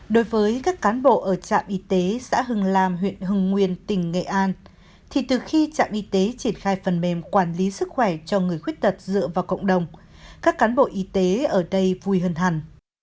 đối với các cán bộ ở trạm y tế xã hưng lam huyện hưng nguyên tỉnh nghệ an thì từ khi trạm y tế triển khai phần mềm quản lý sức khỏe cho người khuyết tật dựa vào cộng đồng các cán bộ y tế ở đây vui hơn hẳn